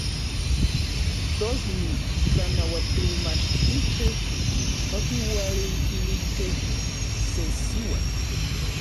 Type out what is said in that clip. Tos n tlanauatilmachtijkej okiualikilijkej se siuatl.